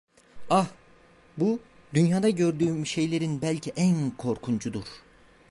Ah, bu, dünyada gördüğüm şeylerin belki en korkuncudur.